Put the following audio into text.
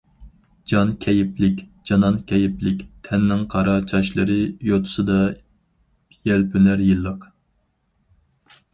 جان كەيپلىك، جانان كەيپلىك، تەننىڭ قارا چاچلىرى يوتىسىدا يەلپۈنەر يىللىق.